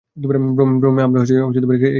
ভ্রমে আমরা একে জগৎ বলি।